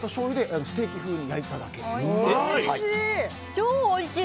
超おいしい！